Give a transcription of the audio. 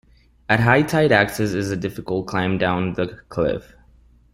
At high tide access is a difficult climb down the cliff.